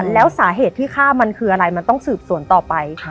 แล้วสาเหตุที่ฆ่ามันคืออะไรมันต้องสืบสวนต่อไป